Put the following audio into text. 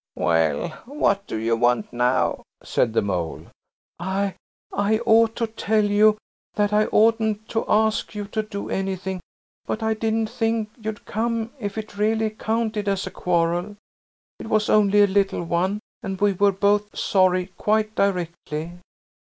"Well, what do you want now?" said the Mole. "I–I ought to tell you that I oughtn't to ask you to do anything, but I didn't think you'd come if it really counted as a quarrel. It was only a little one, and we were both sorry quite directly."